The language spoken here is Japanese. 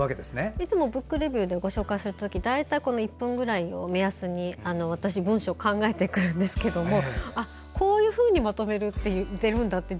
いつも「ブックレビュー」でご紹介するとき大体１分ぐらいを目安に文章を考えてくるんですけれどもこういうふうにまとめてるんだって